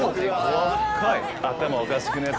「頭おかしくね？」。